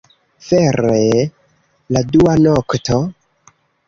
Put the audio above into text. Vere... la dua nokto?